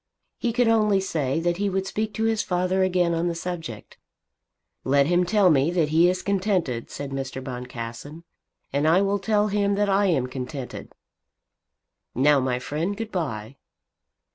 He could only say that he would speak to his father again on the subject. "Let him tell me that he is contented," said Mr. Boncassen, "and I will tell him that I am contented. Now, my friend, good bye."